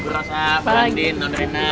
rosah standing nondrena